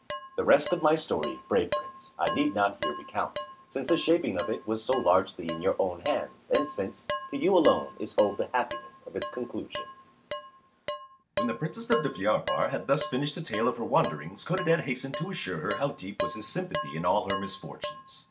The rest of my story, brave Prince, I need not here recount, since the shaping of it was so largely in your own hands, and since to you alone is owed the happiness of its conclusion. [Illustration: The Princess of Deryabar.] When the Princess of Deryabar had thus finished the tale of her wanderings, Codadad hastened to assure her how deep was his sympathy in all her misfortunes.